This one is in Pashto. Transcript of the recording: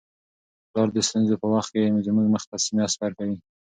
پلار د ستونزو په وخت کي زموږ مخ ته سینه سپر کوي.